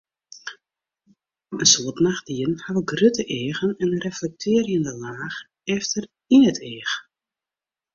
In soad nachtdieren hawwe grutte eagen en in reflektearjende laach efter yn it each.